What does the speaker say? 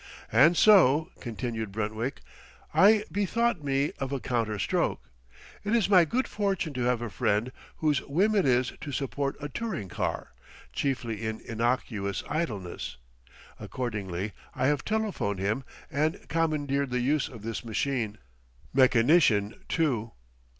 "And so," continued Brentwick, "I bethought me of a counter stroke. It is my good fortune to have a friend whose whim it is to support a touring car, chiefly in innocuous idleness. Accordingly I have telephoned him and commandeered the use of this machine mechanician, too....